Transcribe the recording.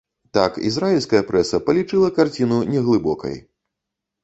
Так, ізраільская прэса палічыла карціну неглыбокай.